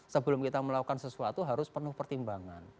sebelum kita melakukan sesuatu harus penuh pertimbangan